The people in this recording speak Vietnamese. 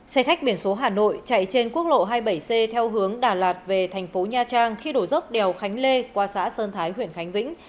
xe khách biển số hà nội chạy trên quốc lộ hai mươi bảy c theo hướng đà lạt về thành phố nha trang khi đổ dốc đèo khánh lê qua xã sơn thái huyện khánh vĩnh